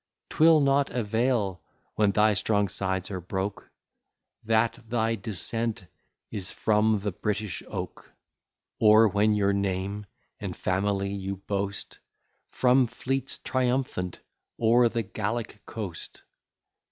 'Twill not avail, when thy strong sides are broke That thy descent is from the British oak; Or, when your name and family you boast, From fleets triumphant o'er the Gallic coast.